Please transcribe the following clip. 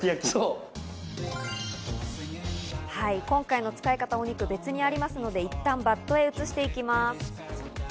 今回の使い方、お肉、別になりますので、いったんバットへ移していきます。